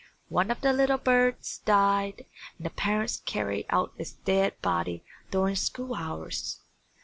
One of the little birds died and the parents carried out its dead body during school hours.